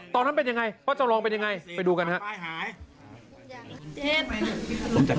ตอนนั้นเป็นยังไงป้าจำลองเป็นยังไงไปดูกันครับ